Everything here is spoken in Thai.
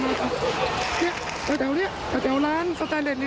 แถวที่แถวร้านแถวร้านแถวแถวนี้